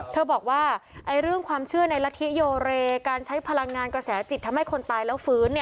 เธอบอกว่าเรื่องความเชื่อในละทิโยเรการใช้พลังงานกระแสจิตทำให้คนตายแล้วฟื้น